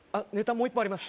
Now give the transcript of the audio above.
もう一本あります